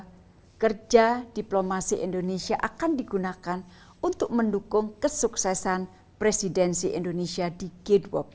tahun dua ribu dua puluh dua kerja diplomasi indonesia akan digunakan untuk mendukung kesuksesan presidensi indonesia di g dua puluh